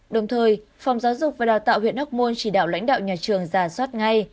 đồng thời phòng giáo dục và đào tạo huyện hóc môn chỉ đạo lãnh đạo nhà trường giả soát ngay